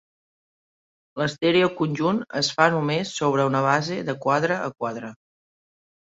L'estèreo conjunt es fa només sobre una base de quadre a quadre.